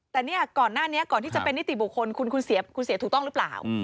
แต่เนี่ยก่อนหน้านี้ก่อนที่จะเป็นนิติบุคคลคุณคุณเสียถูกต้องหรือเปล่า